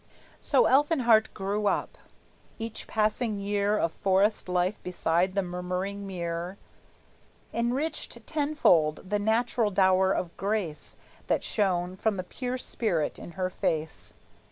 So Elfinhart grew up. Each passing year Of forest life beside the Murmuring Mere Enriched tenfold the natural dower of grace That shone from the pure spirit in her face.